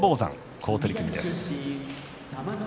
好取組です。